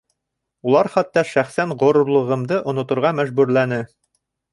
Улар хатта шәхсән ғорурлығымды оноторға мәжбүрләне.